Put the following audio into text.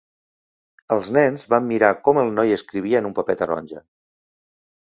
Els nens van mirar com el noi escrivia en un paper taronja.